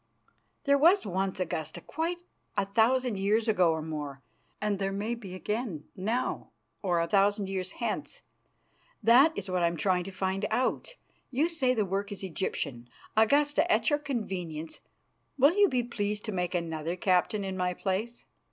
"There was once, Augusta, quite a thousand years ago or more, and there may be again now, or a thousand years hence. That is what I am trying to find out. You say the work is Egyptian. Augusta, at your convenience, will you be pleased to make another captain in my place?